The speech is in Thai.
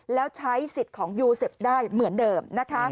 แล้วใช้สิทธิ์ของยูเซฟได้เหมือนเดิม